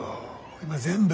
今全部！